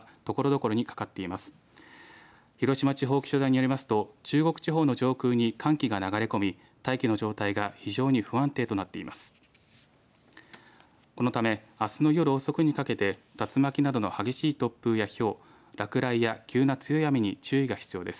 このため、あすの夜遅くにかけて竜巻などの激しい突風や、ひょう落雷や、急な強い雨に注意が必要です。